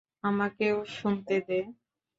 আমাকেও শুনতে দে।